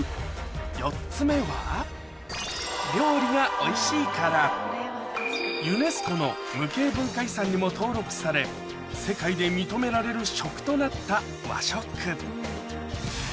４つ目はユネスコの無形文化遺産にも登録され世界で認められる食となった和食僕は。